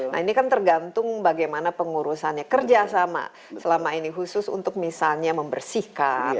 nah ini kan tergantung bagaimana pengurusannya kerjasama selama ini khusus untuk misalnya membersihkan